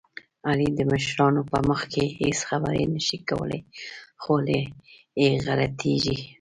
علي د مشرانو په مخ کې هېڅ خبرې نه شي کولی، خوله یې غلطېږي.